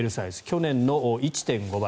去年の１．５倍。